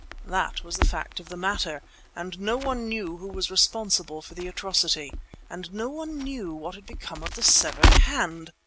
That was the fact of the matter. And no one knew who was responsible for the atrocity. And no one knew what had become of the severed hand!